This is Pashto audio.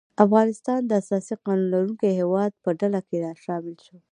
افغانستان د اساسي قانون لرونکو هیوادو په ډله کې شامل شو.